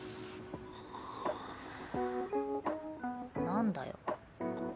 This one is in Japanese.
何だよ？